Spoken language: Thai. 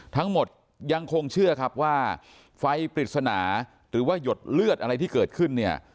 ทั้งหมดยังคงเชื่อครับว่าไฟปริศนาหรือว่าหยดเลือดอะไรที่เกิดขึ้นเนี่ย